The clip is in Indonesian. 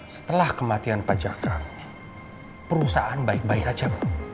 setelah kematian pak jaka perusahaan baik baik aja